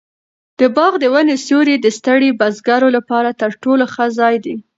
د باغ د ونو سیوری د ستړي بزګر لپاره تر ټولو ښه ځای دی.